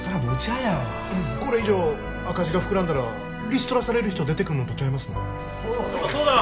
これ以上赤字が膨らんだらリストラされる人出てくんのとちゃいますの？